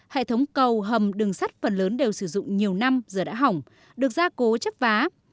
hệ thống cầu hầm đường sắt phần lớn đều sử dụng nhiều năm giờ đã hỏng được gia cố chấp vá